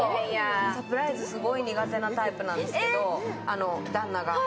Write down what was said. サプライズすごい苦手なタイプなんですけど、旦那が。